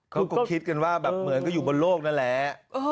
แหละเหมือนคิดว่าอยู่บนโลกนั่นแหละ